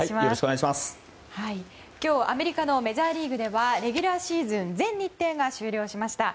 今日、アメリカのメジャーリーグではレギュラーシーズン全日程が終了しました。